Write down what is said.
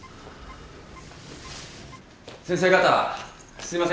先生方すいません